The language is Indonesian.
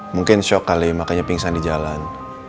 mungkin shock kali makanya pingsan di jalan